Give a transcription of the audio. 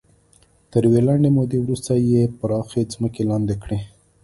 تر یوې لنډې مودې وروسته یې پراخې ځمکې لاندې کړې.